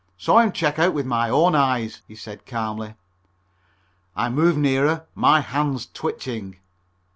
"Saw him check out with my own eyes," he said calmly. I moved nearer, my hands twitching.